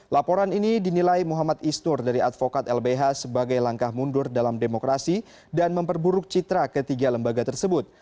laporan ini dinilai muhammad isnur dari advokat lbh sebagai langkah mundur dalam demokrasi dan memperburuk citra ketiga lembaga tersebut